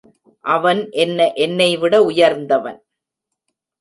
அவன் என்ன என்னைவிட உயர்ந்தவன்.